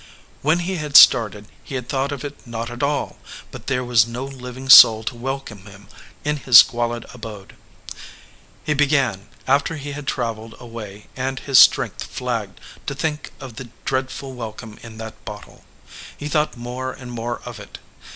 When he had started he had thought of it not at all; but there was no living soul to welcome him in his squalid abode. He began, after he had traveled a way and his strength flagged, to think of the dread ful welcome in that bottle. He thought more and more of it.